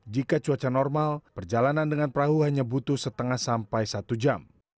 jika cuaca normal perjalanan dengan perahu hanya butuh setengah sampai satu jam